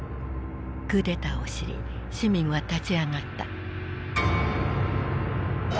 クーデターを知り市民は立ち上がった。